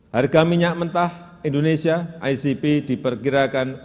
harga minyak mentah indonesia icp diperkirakan